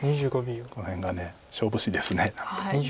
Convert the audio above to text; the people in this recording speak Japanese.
この辺が勝負師です。